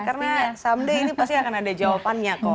karena someday ini pasti akan ada jawabannya kok